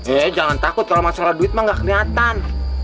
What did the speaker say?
eh jangan takut kalo masalah duit mah gak keliatan